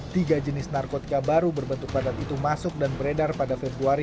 tiga jenis narkotika baru berbentuk padat itu masuk dan beredar pada februari